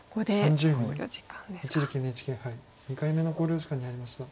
一力ＮＨＫ杯２回目の考慮時間に入りました。